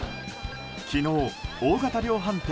昨日、大型量販店